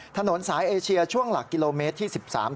ถนนสายเอเชียช่วงหลักกิโลเมตรที่๑๓